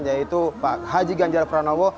yaitu pak haji ganjar pranowo